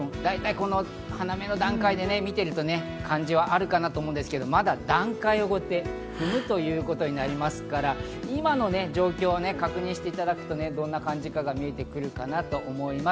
並べてみたいと思いますが、大体、花見の段階で見ていると、感じはあるかなと思うんですが、まだ段階をこうやって踏むということになりますから、今の状況を確認していただくと、どんな感じか見えてくるかなと思います。